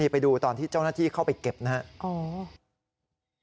ไปดูตอนที่เจ้าหน้าที่เข้าไปเก็บนะครับ